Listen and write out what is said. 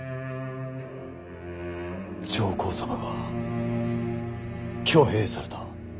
上皇様が挙兵された。